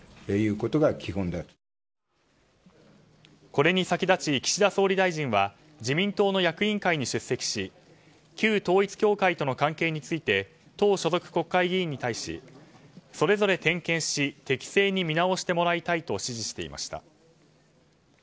これに先立ち、岸田総理大臣は自民党の役員会に出席し旧統一教会との関係について党所属国会議員に対しそれぞれ点検し適正に見直してもらいたいと指示していました。